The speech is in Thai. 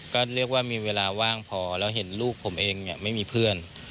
ก็เรียกว่ามีเวลาว่างพอแล้วเห็นลูกผมเองไม่มีเพื่อน